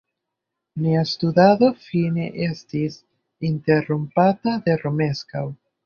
Nia studado fine estis interrompata de Romeskaŭ.